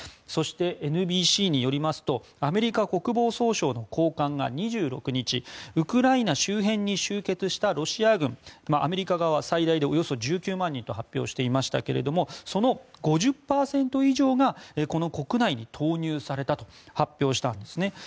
そして、ＮＢＣによりますとアメリカ国防総省の高官が２６日、ウクライナ周辺に集結したロシア軍アメリカ側、最大で１９万人と発表していましたけれどその５０％以上がこの国内に投入されたと発表したんですね。